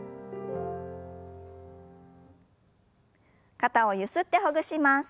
肩をゆすってほぐします。